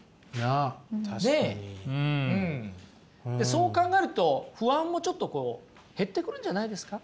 そう考えると不安もちょっと減ってくるんじゃないですか？